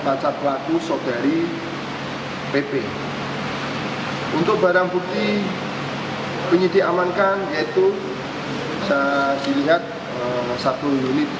pacar pelaku saudari pp untuk barang putih punya diamankan yaitu saya silihat satu unit